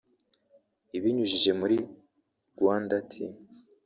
Ibinyujije muri “Rwanda Tea